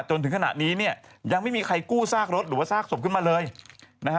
จนถึงขณะนี้เนี่ยยังไม่มีใครกู้ซากรถหรือว่าซากศพขึ้นมาเลยนะฮะ